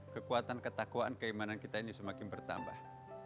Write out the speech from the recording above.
kekuatan ketakwaan keimanan kita ini semakin bertambah